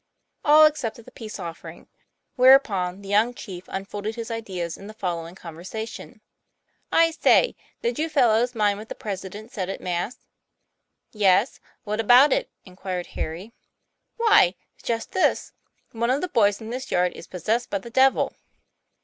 All accepted the peace 74 TOM PLA YFAIR. offering, whereupon the young chief unfolded his ideas in the following conversation: 'I say, did you fellows mind what the president said at Mass?" "Yes; what about it?" inquired Harry. 'Why, just this, one of the boys in this yard is possessed by the devil."